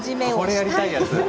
これやりたいやつ。